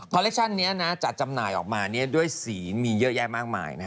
เลคชั่นนี้จัดจำหน่ายออกมาด้วยสีมีเยอะแยะมากมาย